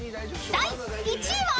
［第１位は？］